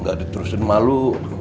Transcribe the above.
gak diterusin malu